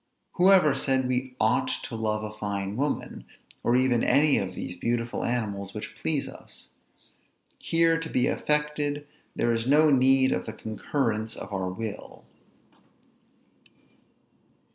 Who ever said we ought to love a fine woman, or even any of these beautiful animals which please us? Here to be affected, there is no need of the concurrence of our will.